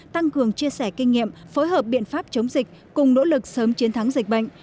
tăng cường chia sẻ kinh nghiệm phối hợp biện pháp chống dịch cùng nỗ lực sớm chiến thắng dịch bệnh